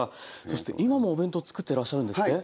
そして今もお弁当作ってらっしゃるんですって？